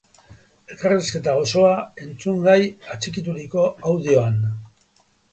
Elkarrizketa osoa entzungai atxikituriko audioan!